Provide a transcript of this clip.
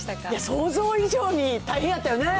想像以上に大変やったよね。